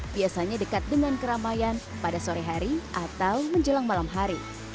biasanya dekat dengan keramaian pada sore hari atau menjelang malam hari